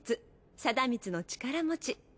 貞光の力もち。